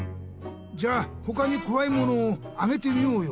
じゃあほかにこわいものをあげてみようよ。